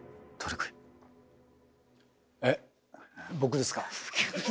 えっ僕ですか？